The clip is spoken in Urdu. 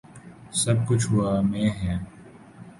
سب کچھ ہوا میں ہے۔